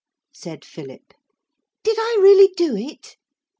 said Philip, 'did I really do it?'